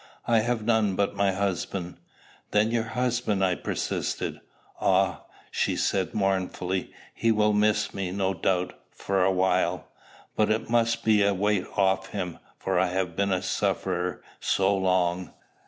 "I have none but my husband." "Then your husband?" I persisted. "Ah!" she said mournfully, "he will miss me, no doubt, for a while. But it must be a weight off him, for I have been a sufferer so long!"